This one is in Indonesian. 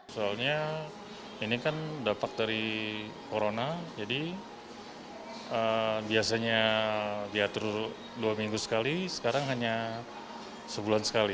soalnya ini kan dampak dari corona jadi biasanya diatur dua minggu sekali sekarang hanya sebulan sekali